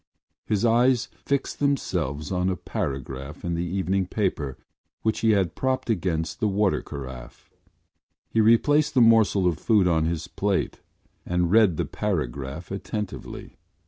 His eyes fixed themselves on a paragraph in the evening paper which he had propped against the water carafe. He replaced the morsel of food on his plate and read the paragraph attentively.